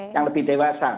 yang lebih dewasa